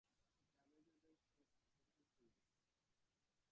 যাবে যাবে, সব ছারখার হইবে।